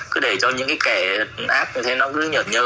cứ để cho những cái kẻ ác như thế nó cứ nhợt nhơ